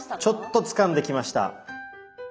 ちょっとつかんできました。